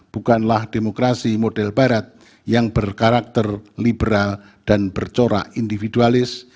bukanlah demokrasi model barat yang berkarakter liberal dan bercorak individualis